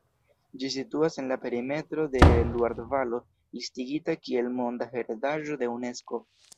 Ĝi situas en la perimetro de la Luar-valo, listigita kiel Monda heredaĵo de Unesko.